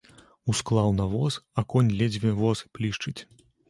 Усклаў на воз, а конь ледзьве воз плішчыць.